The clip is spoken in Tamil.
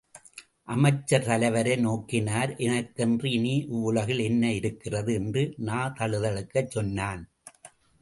அமைச்சர் தலைவரை நோக்கினார் எனக்கென்று இனி இவ்வுலகில் என்ன இருக்கிறது? என்று நாத் தழுதழுக்கச் சொன்னார்.